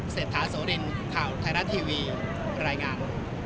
เศรษฐาโสรินข่าวไทยรัฐทีวีรายงาน